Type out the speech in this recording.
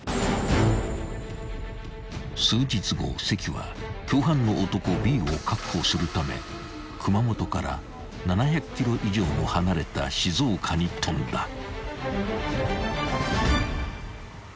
［関は共犯の男Ｂを確保するため熊本から７００ｋｍ以上も離れた静岡に飛んだ］